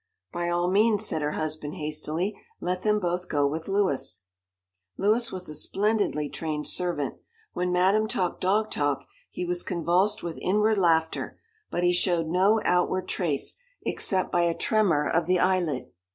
"By all means," said her husband hastily. "Let them both go with Louis." Louis was a splendidly trained servant. When Madame talked dog talk he was convulsed with inward laughter, but he showed no outward trace except by a tremor of the eyelid.